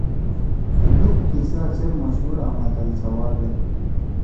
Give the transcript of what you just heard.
ہے لوک قصہ چیر مشہور آں متل سوا گیئی۔